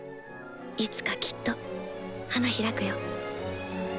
いつかきっと花開くよ。